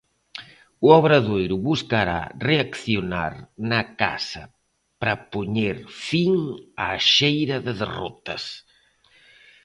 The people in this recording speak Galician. O Obradoiro buscará reaccionar na casa para poñer fin á xeira de derrotas.